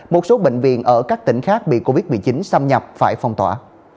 một số bệnh viện ở các tỉnh khác bị covid một mươi chín xâm nhập phải phong tỏa